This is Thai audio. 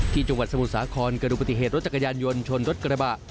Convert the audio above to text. จังหวัดสมุทรสาครเกิดดูปฏิเหตุรถจักรยานยนต์ชนรถกระบะ